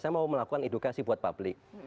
saya mau melakukan edukasi buat publik